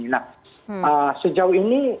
nah sejauh ini